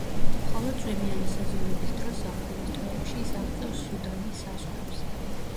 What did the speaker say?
მხოლოდ წვიმიანი სეზონების დროს ზაფხულის თვეებში ის აღწევს სუდანის საზღვრებს.